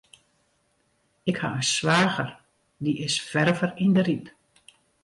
Ik ha in swager, dy is ferver yn de Ryp.